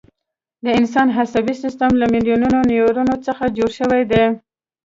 د انسان عصبي سیستم له میلیونونو نیورونونو څخه جوړ شوی دی.